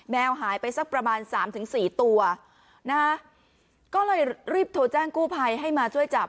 หายไปสักประมาณสามถึงสี่ตัวนะฮะก็เลยรีบโทรแจ้งกู้ภัยให้มาช่วยจับ